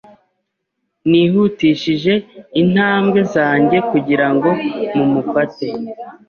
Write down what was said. Nihutishije intambwe zanjye kugira ngo mumufate.